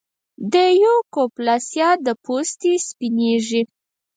د لیوکوپلاسیا د پوستې سپینېږي.